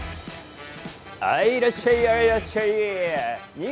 いらっしゃいいらっしゃい。